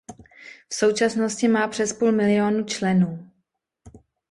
V současnosti má přes půl milionu členů.